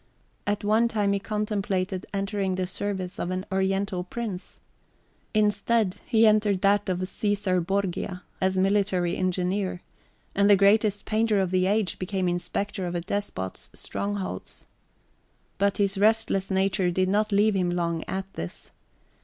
At one time he contemplated entering the service of an Oriental prince. Instead, he entered that of Caesar Borgia, as military engineer, and the greatest painter of the age became inspector of a despot's strongholds. But his restless nature did not leave him long at this.